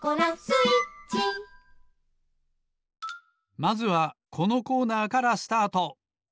まずはこのコーナーからスタート！